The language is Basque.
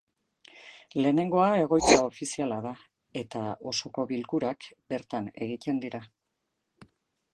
Lehenengoa egoitza ofiziala da, eta osoko bilkurak bertan egiten dira.